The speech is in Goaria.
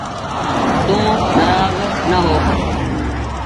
تو نآراز نآ هو ۔